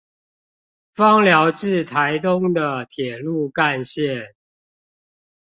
枋寮至臺東的鐵路幹線